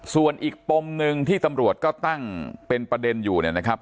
ส่วนอีกปมหนึ่งที่ตำรวจก็ตั้งเป็นประเด็นอยู่เนี่ยนะครับ